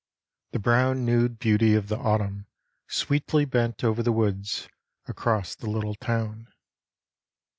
The brown Nude beauty of the Autumn sweetly bent Over the woods, across the little town.